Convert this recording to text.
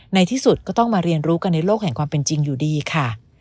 ในที่สุดก็ต้องมาเรียนรู้กันในโลกแห่งความเป็นจริงอยู่ดีค่ะ